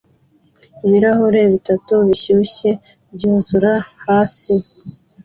Ibirahuri bitatu bishyushye byuzura hasi